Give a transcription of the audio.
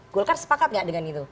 golkar sepakat gak dengan itu